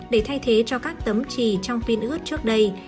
để thay thế cho các tấm trì trong pin ướt trước đây